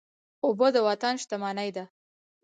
اوبه د وطن شتمني ده.